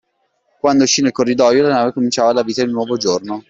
Quando uscí nel corridoio, la nave cominciava la vita del nuovo giorno.